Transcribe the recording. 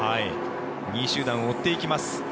２位集団を追っていきます